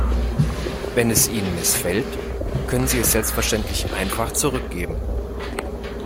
Wenn es Ihnen missfällt, können Sie es selbstverständlich einfach zurückgeben.